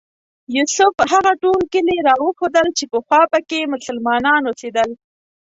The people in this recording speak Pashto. یوسف هغه ټول کلي راوښودل چې پخوا په کې مسلمانان اوسېدل.